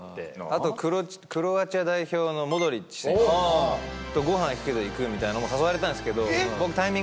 あとクロアチア代表のモドリッチ選手とご飯行くけど行く？みたいのも誘われたんすけど。